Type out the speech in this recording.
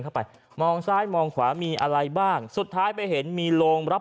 เข้าไปมองซ้ายมองขวามีอะไรบ้างสุดท้ายไปเห็นมีโรงรับ